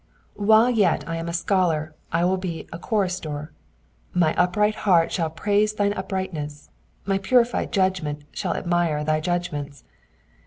While yet I am a scholar I will be a chorister : my upright heart shall praise thine uprightness, my purified judgment shall aamire thy judgments.